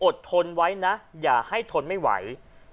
ทนไว้นะอย่าให้ทนไม่ไหว